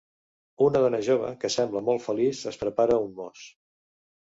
Una dona jove que sembla molt feliç es prepara un mos.